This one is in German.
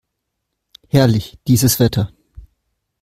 Herrlich, dieses Wetter!